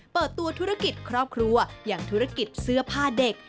เปิดตัวธุรกิจครอบครัวอย่างธุรกิจเสื้อผ้าเด็ก